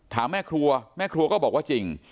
แม่ครัวแม่ครัวก็บอกว่าจริง